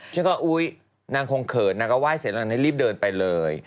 ฉันก็อุ๊ยนางคงเขินนางก็ไห้เสร็จนางได้รีบเดินไปเลย